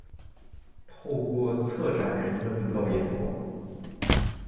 透过策展人的独到眼光